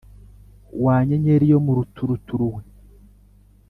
Wa nyenyeri yo mu ruturuturu we